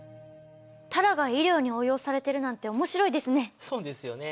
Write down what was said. タラが医療に応用されてるなんて面白いですね。